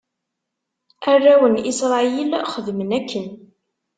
Arraw n Isṛayil xedmen akken.